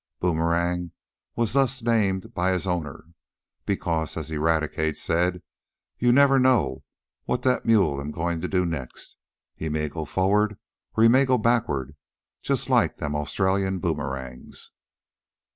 Boomerang was thus named by his owner, because, as Eradicate said, "yo' nebber know jest what dat mule am goin' t' do next. He may go forward or he may go backward, jest laik them Australian boomerangs."